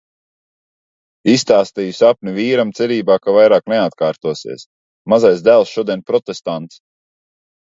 Izstāstīju sapni vīram cerībā, ka vairāk neatkārtosies. Mazais dēls šodien protestants.